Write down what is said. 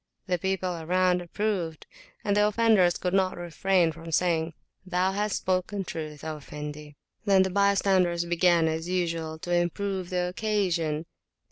The people around approved, and the offenders could not refrain from saying, Thou hast spoken truth, O Effendi! Then the bystanders began, as usual, to improve the occasion.